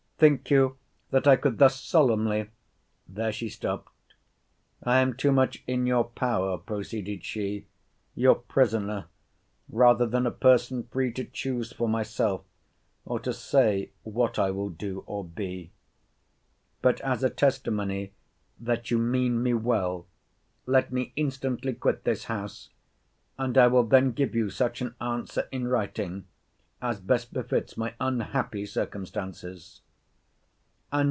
Think you, that I could thus solemnly—There she stopt—I am too much in your power, proceeded she; your prisoner, rather than a person free to choose for myself, or to say what I will do or be. But as a testimony that you mean me well, let me instantly quit this house; and I will then give you such an answer in writing, as best befits my unhappy circumstances.